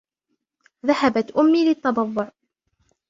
ذهبت أمي للتبضع.